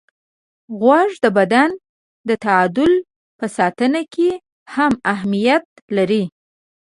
غوږ د بدن د تعادل په ساتنه کې هم اهمیت لري.